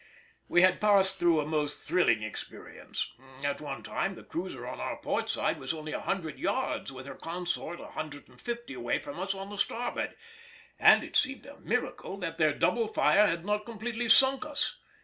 We had passed through a most thrilling experience; at one time the cruiser on our port side was only a hundred yards with her consort a hundred and fifty away from us on the starboard, and it seemed a miracle that their double fire had not completely sunk us.